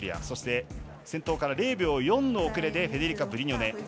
そして先頭から０秒４の遅れでフェデリカ・ブリニョネ。